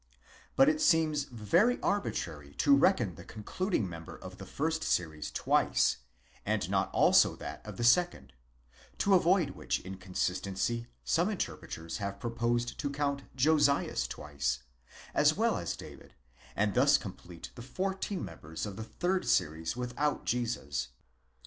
But it seems very arbitrary to reckon the concluding member of the first series twice, and not also that of the second: to avoid which in consistency some interpreters have proposed to count Josias twice, as well as David, and thus complete the fourteen members of the third series without Jesus.